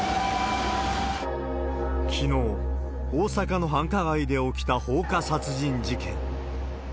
きのう、大阪の繁華街で起きた放火殺人事件。